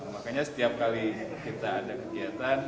makanya setiap kali kita ada kegiatan